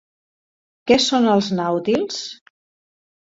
Què són els nàutils?